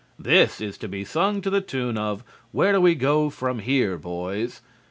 This is to be sung to the tune of "Where Do We Go From Here, Boys?"